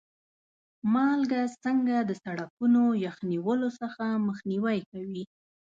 مالګه څنګه د سړکونو یخ نیولو څخه مخنیوی کوي؟